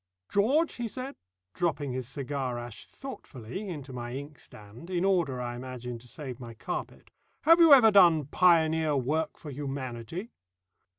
"George," he said, dropping his cigar ash thoughtfully into my inkstand, in order, I imagine, to save my carpet, "have you ever done pioneer work for Humanity?"